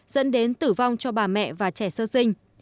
dẫn đến tử vong cho bà mẹ và trẻ sơ sinh